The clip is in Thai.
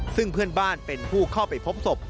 ซึ่งเพื่อนบ้านเป็นผู้เข้าไปพบศพ